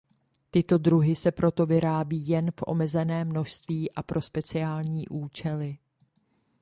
Tyto druhy se proto vyrábí jen v omezeném množství a pro speciální účely.